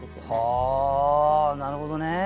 はあなるほどね。